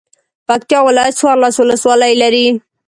پکتيا ولايت څوارلس ولسوالۍ لری.